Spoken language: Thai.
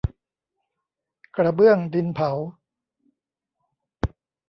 กระเบื้องดินเผา